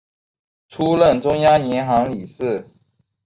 出任中央银行理事。